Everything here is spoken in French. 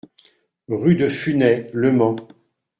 Rue de Funay, Le Mans